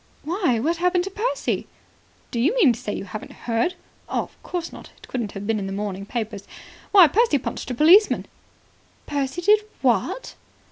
"Why, what happened to Percy?" "Do you mean to say you haven't heard? Of course not. It wouldn't have been in the morning papers. Why, Percy punched a policeman." "Percy did what?"